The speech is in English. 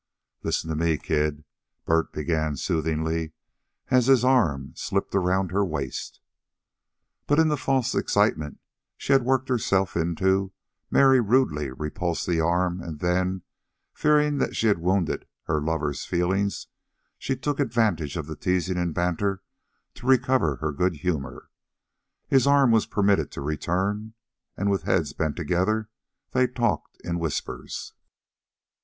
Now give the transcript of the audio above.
"Listen to me, kid," Bert began soothingly, as his arm slipped around her waist. But in the false excitement she had worked herself into, Mary rudely repulsed the arm, and then, fearing that she had wounded her lover's feelings, she took advantage of the teasing and banter to recover her good humor. His arm was permitted to return, and with heads bent together, they talked in whispers.